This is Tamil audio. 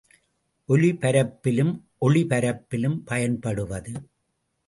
ஒலிபரப்பிலும், ஒளிபரப்பிலும் பயன்படுவது.